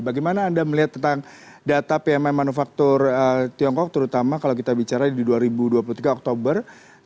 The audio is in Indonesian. bagaimana anda melihat tentang data pmi manufaktur tiongkok terutama kalau kita bicara di dua ribu dua puluh tiga oktober